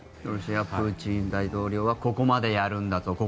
ロシアのプーチン大統領はここまでやるんだぞ